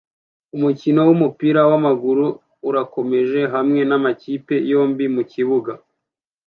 Umukino wumupira wamaguru urakomeje hamwe namakipe yombi mukibuga